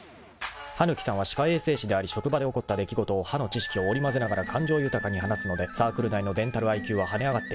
［羽貫さんは歯科衛生士であり職場で起こった出来事を歯の知識を織り交ぜながら感情豊かに話すのでサークル内のデンタルＩＱは跳ね上がっていった］